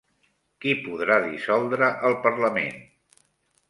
Qui podrà dissoldre el parlament?